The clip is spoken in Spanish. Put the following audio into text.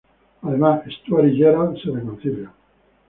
Además Stuart y Gerald se reconcilian.